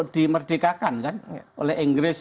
dimerdekakan kan oleh inggris